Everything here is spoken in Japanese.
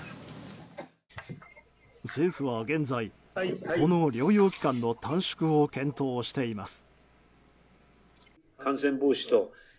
政府は現在この療養期間の短縮を検討しています。